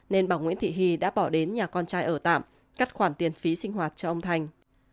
nên bà nguyễn thị hy đã bỏ đến nhà con trai ở tạm cắt khoản tiền phí sinh hoạt cho ông thành